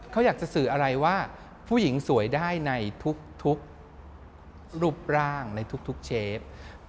เขาอยากจะสื่ออะไรว่าผู้หญิงสวยได้ในทุกรูปร่างในทุกเชฟ